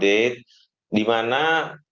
dimana produksi ini menjadi